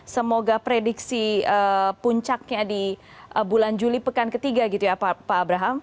semoga prediksi puncaknya di bulan juli pekan ketiga gitu ya pak abraham